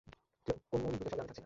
কোন নিগ্রোদের স্বর্গে আমি থাকছি না।